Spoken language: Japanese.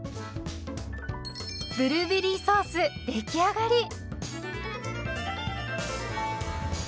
ブルーベリーソース出来上がり。